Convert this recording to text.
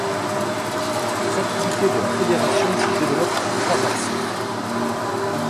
Les activités de la Fédération se développent sur trois axes.